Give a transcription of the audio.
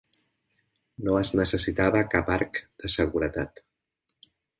No es necessitava cap arc de seguretat.